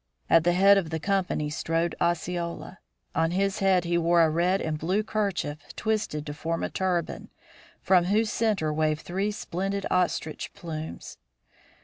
At the head of the company strode Osceola. On his head he wore a red and blue kerchief twisted to form a turban, from whose center waved three splendid ostrich plumes.